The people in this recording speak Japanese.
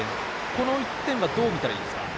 この１点はどう見たらいいですか。